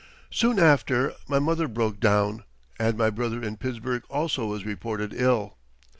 Soon after my mother broke down and my brother in Pittsburgh also was reported ill.